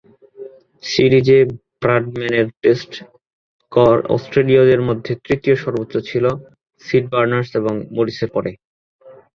সিরিজে ব্র্যাডম্যানের টেস্ট গড় অস্ট্রেলীয়দের মধ্যে তৃতীয় সর্বোচ্চ ছিল, সিড বার্নস এবং মরিসের পরে।